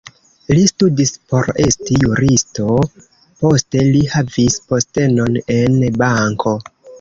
Li studis por esti juristo, poste li havis postenon en banko.